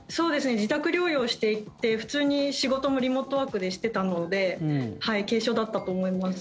自宅療養をしていて普通に仕事もリモートワークでしていたので軽症だったと思います。